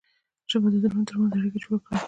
ژبه د زړونو ترمنځ اړیکه جوړه کړي